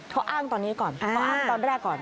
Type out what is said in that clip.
เขาอ้างตอนนี้ก่อนเขาอ้างตอนแรกก่อน